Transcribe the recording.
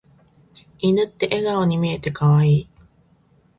犬って笑顔に見えて可愛い。